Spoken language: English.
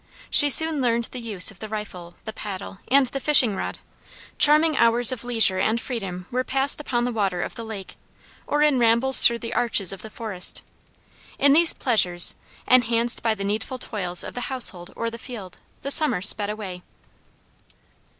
She soon learned the use of the rifle, the paddle, and the fishing rod. Charming hours of leisure and freedom were passed upon the water of the lake, or in rambles through the arches of the forest. In these pleasures, enhanced by the needful toils of the household or the field, the summer sped away.